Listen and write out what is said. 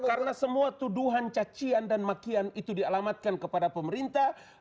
karena semua tuduhan cacian dan makian itu dialamatkan kepada pemerintah